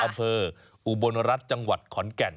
อำเภออุบลรัฐจังหวัดขอนแก่น